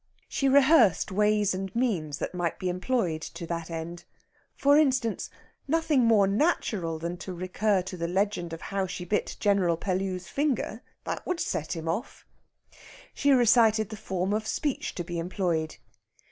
She rehearsed ways and means that might be employed to that end. For instance, nothing more natural than to recur to the legend of how she bit General Pellew's finger; that would set him off! She recited the form of speech to be employed.